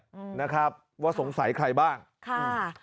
อืมนะครับว่าสงสัยใครบ้างค่ะ